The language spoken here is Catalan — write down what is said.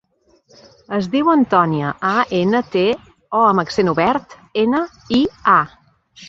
Es diu Antònia: a, ena, te, o amb accent obert, ena, i, a.